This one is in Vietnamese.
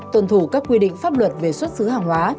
tuần thủ các quy định pháp luật về xuất xứ hàng hóa